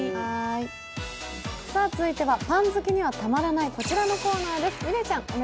続いてはパン好きにはたまらないこちらのコーナーです。